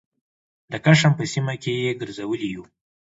د کشم په سیمه کې یې ګرځولي یوو